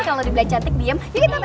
kalau dibeli cantik diem